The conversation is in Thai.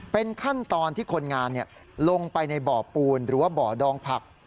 เป็นขั้นตอนที่คนงานลงไปในบ่อปูนหรือว่าบ่อดองผัก